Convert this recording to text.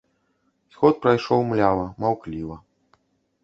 Сход прайшоў млява, маўкліва.